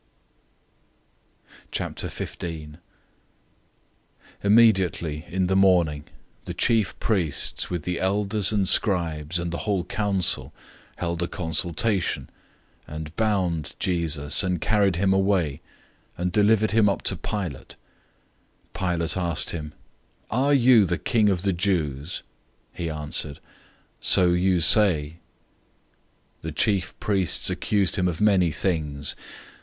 015:001 Immediately in the morning the chief priests, with the elders and scribes, and the whole council, held a consultation, and bound Jesus, and carried him away, and delivered him up to Pilate. 015:002 Pilate asked him, "Are you the King of the Jews?" He answered, "So you say." 015:003 The chief priests accused him of many things.